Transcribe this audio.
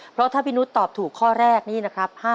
เพราะถ้าพี่นุษย์ตอบถูกข้อแรกนี้นะครับ